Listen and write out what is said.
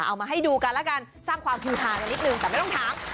เอามาให้ดูกันแล้วกันสร้างความฮือฮากันนิดนึงแต่ไม่ต้องถาม